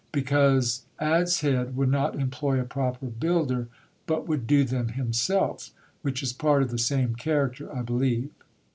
Because Adshead would not employ a proper builder, but would do them himself which is part of the same character, I believe.